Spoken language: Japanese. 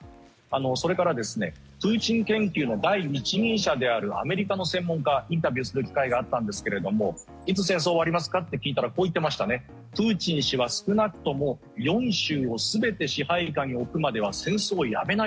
それからプーチン研究の第一人者であるアメリカの専門家にインタビューをする機会があったんですがいつ戦争が終わりますかと聞いたらプーチン氏は少なくとも４州を全て支配下に置くまでは戦争をやめない。